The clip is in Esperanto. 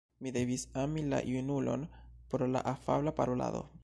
Mi devis ami la junulon pro la afabla parolado.